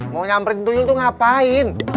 mau nyamperin dulu tuh ngapain